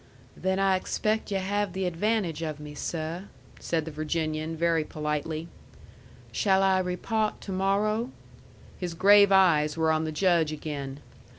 "Then I expect yu' have the advantage of me, seh," said the Virginian, very politely. "Shall I repawt to morro'?" His grave eyes were on the Judge again.